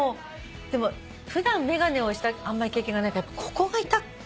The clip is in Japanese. でも普段眼鏡をしたあんまり経験がないからここが痛く。